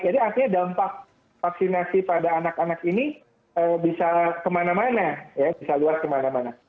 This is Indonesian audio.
jadi artinya dampak vaksinasi pada anak anak ini bisa kemana mana ya bisa luas kemana mana